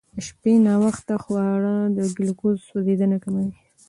د شپې ناوخته خورا د ګلوکوز سوځېدنه کموي.